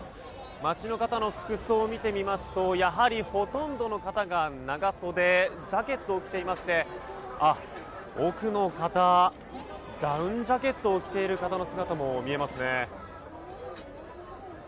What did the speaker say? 街の方の服装を見てみますとやはり、ほとんどの方が長袖ジャケットを着ていましてダウンジャケットを着ている方の姿も見えますね。